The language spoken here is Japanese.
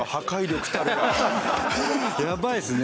やばいですね。